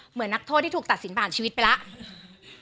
เหมือนนักโทษที่ถูกตัดสินผ่านชีวิตไปแล้ว